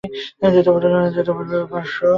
বর্তমানে বিদ্যালয়টিতে মানবিক বিভাগ চালু আছে।